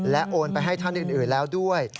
โอนไปให้ท่านอื่นแล้วด้วย